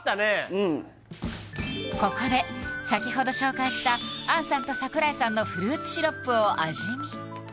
うんここで先ほど紹介した杏さんと櫻井さんのフルーツシロップを味見！